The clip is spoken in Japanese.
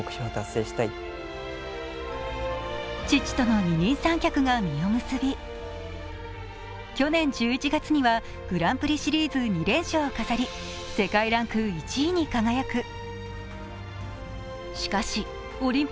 父との二人三脚が実を結び去年１１月にはグランプリシリーズ２連勝を飾り世界ランク１位に輝く。